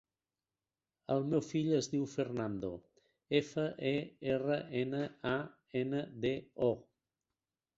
El meu fill es diu Fernando: efa, e, erra, ena, a, ena, de, o.